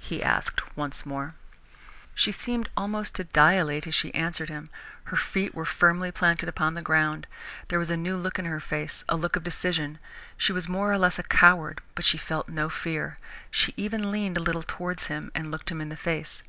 he asked once more. She seemed almost to dilate as she answered him. Her feet were firmly planted upon the ground. There was a new look in her face, a look of decision. She was more or less a coward but she felt no fear. She even leaned a little towards him and looked him in the face.